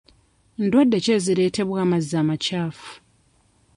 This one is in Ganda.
Ndwadde ki ezireetebwa amazzi amakyafu?